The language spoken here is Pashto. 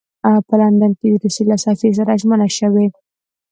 په لندن کې د روسیې له سفیر سره ژمنه شوې ده.